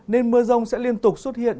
nên mưa rông sẽ liên tục xuất hiện